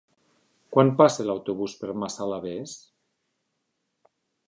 Quan passa l'autobús per Massalavés?